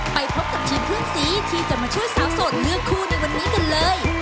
ไปพบกับทีมเพื่อนสีที่จะมาช่วยสาวโสดเลือกคู่ในวันนี้กันเลย